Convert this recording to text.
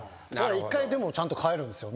１回でもちゃんと帰るんですよ